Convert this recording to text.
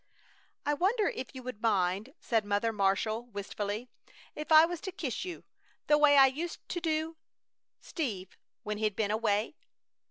"I wonder if you would mind," said Mother Marshall, wistfully, "if I was to kiss you, the way I used to do Steve when he'd been away?"